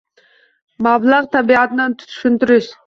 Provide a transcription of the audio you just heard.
Mablag‘ tabiatini tushunish.